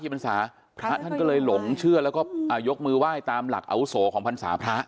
พรรษาพระท่านก็เลยหลงเชื่อแล้วก็ยกมือไหว้ตามหลักอาวุโสของพรรษาพระ